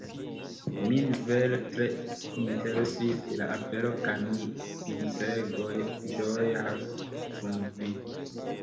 Min vere tre interesis la afero kaj mi sincere ĝojas kun Vi!